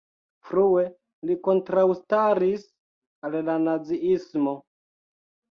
Frue li kontraŭstaris al la naziismo.